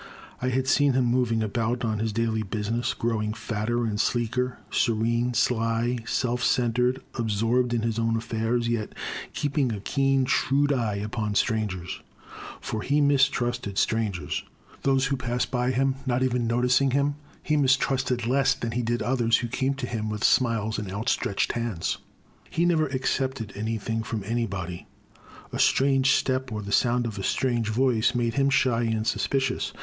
I had seen him moving about on his daily business, growing fatter and sleeker, serene, sly, self centred, absorbed in his own affairs, yet keeping a keen, shrewd eye upon strangers. For 265 266 The Crime. he mistrusted strangers ; those who passed by him, not even noticing him, he mistrusted less than he did others who came to him with smiles and out stretched hands. He never accepted anything fix)m anybody. A strange step or the sound of a strange voice made him shy and suspicious.